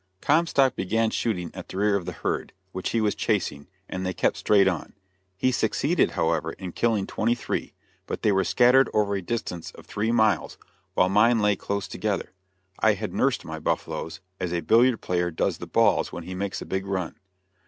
Comstock began shooting at the rear of the herd, which he was chasing, and they kept straight on. He succeeded, however, in killing twenty three, but they were scattered over a distance of three miles, while mine lay close together. I had "nursed" my buffaloes, as a billiard player does the balls when he makes a big run.